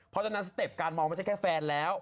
เพราะฉะนั้นสเต็ปการมองไม่ใช่แค่แฟนแล้ว